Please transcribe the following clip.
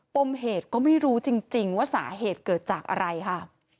ปมเหตุก็ไม่รู้จริงว่าสาเหตุเกิดจากอะไรค่ะ